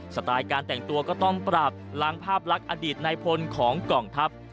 สไตล์การแต่งตัวก็ต้องปรับล้างภาพลักษณ์อดีตในพลของกองทัพ